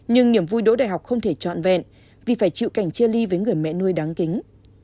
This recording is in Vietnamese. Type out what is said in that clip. nhưng niềm vui đỗ đại học không thể trọn vẹn vì phải chịu cảnh chia ly với người mẹ nuôi đáng kính